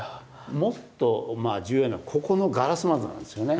もっと重要なのはここのガラス窓なんですよね。